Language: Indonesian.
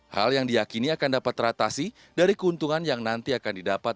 hal yang diakini akan dapat teratasi dari keuntungan yang nanti akan didapat